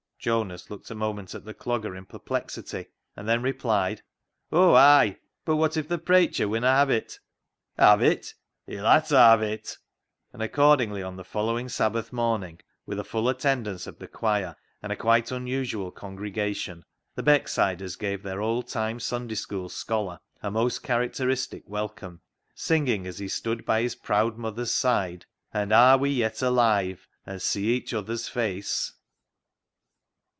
Jonas looked a moment at the Clogger in perplexity, and then replied —" Oh ay ! But what if the preicher winna have it ?"" Have it ? He'll ha' ta have it !" And accordingly on the following Sabbath morning, with a full attendance of the choir and a quite unusual congregation, the Beck siders gave their old time Sunday School scholar a most characteristic welcome, singing as he stood by his proud mother's side —" And are we yet alive And see each other's face